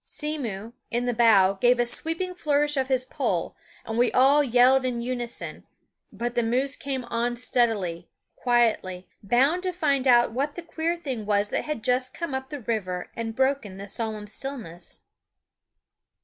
Simmo, in the bow, gave a sweeping flourish of his pole, and we all yelled in unison; but the moose came on steadily, quietly, bound to find out what the queer thing was that had just come up river and broken the solemn stillness.